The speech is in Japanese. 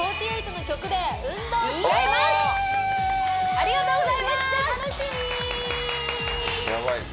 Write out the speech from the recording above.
ありがとうございます！